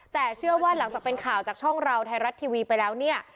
แต่เชื่อว่าหลังจากเป็นข่าวจากช่องเราไทยรัฐทีวีไปแล้วเนี่ย